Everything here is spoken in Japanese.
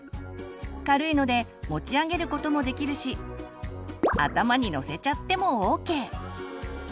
軽いので持ち上げることもできるし頭にのせちゃってもＯＫ！